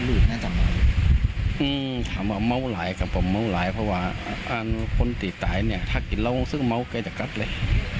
มึงหลายกับผมมึงหลายเพราะว่าคนที่ตายเนี่ยถ้ากินแล้วซึ่งเมาท์ก็จะกัดเลย